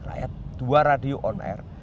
rakyat dua radio on air